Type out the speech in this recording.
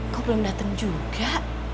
kok belum dateng juga